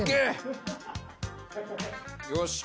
よし！